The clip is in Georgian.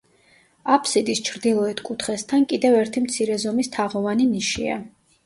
აფსიდის ჩრდილოეთ კუთხესთან კიდევ ერთი მცირე ზომის თაღოვანი ნიშია.